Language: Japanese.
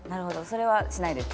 それはしないです。